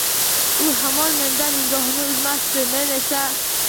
U hamon mendan nigohini uzmasdi: men esa